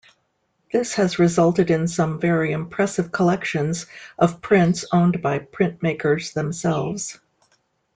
This has resulted in some very impressive collections of prints owned by printmakers themselves.